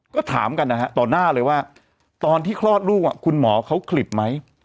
ก็ถามกันนะฮะต่อหน้าเลยว่าตอนที่คลอดลูกคุณหมอเขาขลิบไหม